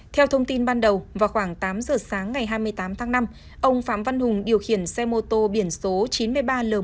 theo thông tin ban đầu vào khoảng tám giờ sáng ngày hai mươi tám tháng năm ông phạm văn hùng điều khiển xe mô tô biển số chín mươi ba l